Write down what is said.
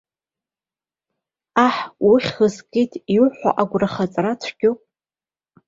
Аҳ, уххь згеит, иуҳәо агәрахаҵара цәгьоуп.